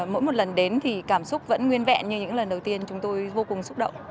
mỗi một lần đến thì cảm xúc vẫn nguyên vẹn như những lần đầu tiên chúng tôi vô cùng xúc động